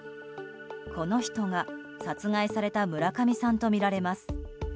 この人が殺害された村上さんとみられます。